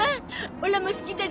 オラも好きだゾ。